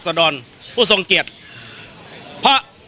สวัสดีครับ